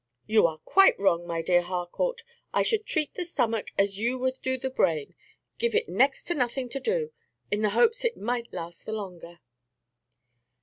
"You are quite wrong, my dear Harcourt; I should treat the stomach as you would do the brain, give it next to nothing to do, in the hopes it might last the longer."